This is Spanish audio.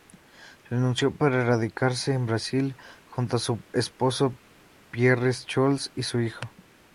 Renunció para radicarse en Brasil, junto a su esposo, Pierre Scholz, y su hijo.